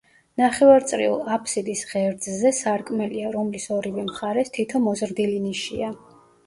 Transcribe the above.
ნახევარწრიულ აფსიდის ღერძზე სარკმელია, რომლის ორივე მხარეს თითო მოზრდილი ნიშია.